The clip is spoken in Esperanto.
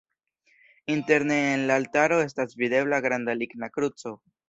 Interne en la altaro estas videbla granda ligna kruco.